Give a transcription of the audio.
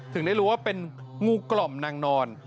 ถึงได้รู้ว่าเป็นงูกล่อมนางนอน